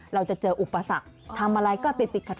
เราจะเจออุปสรรคทำอะไรก็ติดขัด